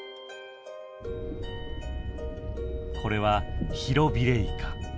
これはヒロビレイカ。